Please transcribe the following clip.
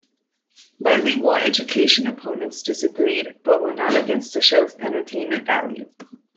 Bilingual education opponents disagreed, but were not against the show's entertainment value.